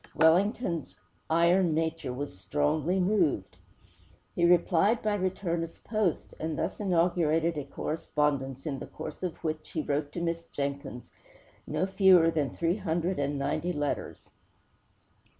Wellington's iron nature was strongly moved. He replied by return of post, and thus inaugurated a correspondence in the course of which he wrote to Miss Jenkins no fewer than three hundred and ninety letters.